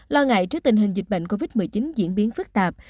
lo ngại trước tình hình dịch bệnh covid một mươi chín diễn biến phức tạp